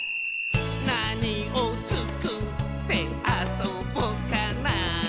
「なにをつくってあそぼかな」